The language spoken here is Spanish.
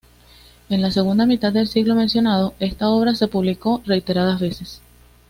En la segunda mitad del siglo mencionado, esta obra se publicó reiteradas veces.